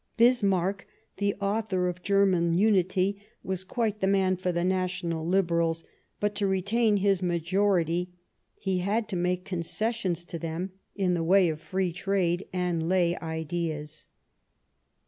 Bismarck, the author of German unity, was quite the man for the National Liberals, but to retain his majority he had to make concessions to them in the way of Free Trade and lay ideas.